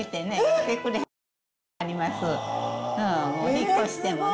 引っ越してもね。